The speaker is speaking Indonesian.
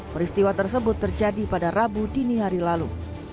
peristiwa tersebut terjadi pada rabu dini hari lalu